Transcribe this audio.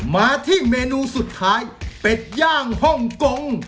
มาที่เมนูสุดท้ายเป็ดย่างฮ่องกง